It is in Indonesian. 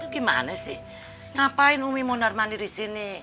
gimana sih ngapain umi mau darmanir disini